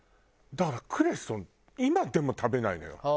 だからクレソン今でも食べないのよ。